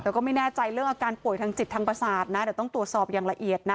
แต่ก็ไม่แน่ใจเรื่องอาการป่วยทางจิตทางประสาทนะเดี๋ยวต้องตรวจสอบอย่างละเอียดนะ